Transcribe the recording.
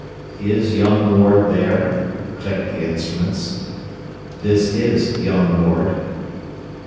"Is young Ward there?" clicked the instruments. "This is 'young Ward.'"